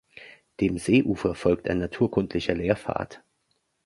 Dem Seeufer folgt ein naturkundlicher Lehrpfad.